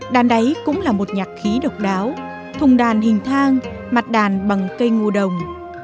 đàn đáy cũng là một nhạc khí độc đáo thùng đàn hình thang mặt đàn bằng cây ngô đồng